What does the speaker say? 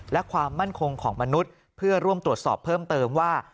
และความมั่นคงของมนุษย์เพื่อร่วมตรวจสอบเพิ่มเติมว่า